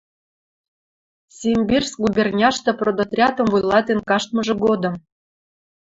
Симбирск губерняштӹ продотрядым вуйлатен каштмыжы годым